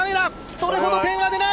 それほど点が出ない。